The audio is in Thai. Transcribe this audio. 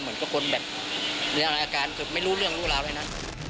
เหมือนก็คนแบบอาการไม่รู้เรื่องรู้ราวเลยนะ